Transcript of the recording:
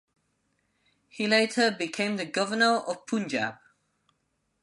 He later became the governor of Punjab.